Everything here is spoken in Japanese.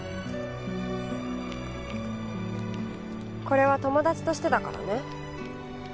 これは友達としてだからね。